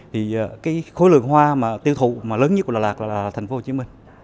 thì cái khối lượng hoa mà tiêu thụ mà lớn nhất của đà lạt là tp hcm